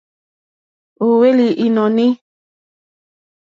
Ó hwélì ìnɔ̀ní.